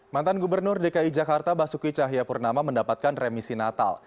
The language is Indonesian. mantan gubernur dki jakarta basuki cahayapurnama mendapatkan remisi natal